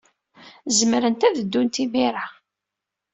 Zemrent ad ddunt imir-a.